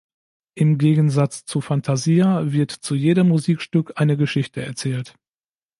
Im Gegensatz zu "Fantasia" wird zu jedem Musikstück eine Geschichte erzählt.